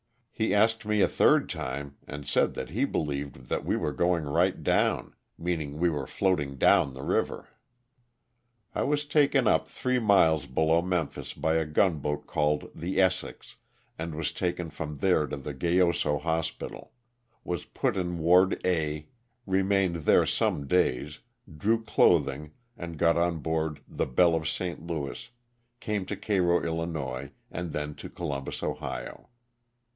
He asked me a third time and said that he believed that we were going right down, meaning we were floating down the river. I was taken up three miles below Memphis by a gun boat called the ''Essex," and was taken from there to the Gayoso Hospital; was put in ward A, remained there some days, drew clothing and got on board the ''Belle of St. Louis," came to Cairo, 111., and then to Columbus, Ohio.